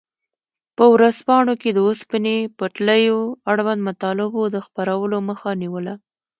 په ورځپاڼو کې د اوسپنې پټلیو اړوند مطالبو د خپرولو مخه نیوله.